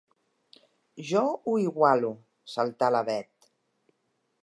Jo ho igualo —saltà la Bet—.